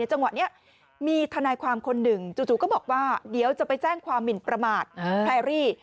จังหวะนี้มีทนายความคนหนึ่งจู่ก็บอกว่าเดี๋ยวจะไปแจ้งความหมินประมาทแพรรี่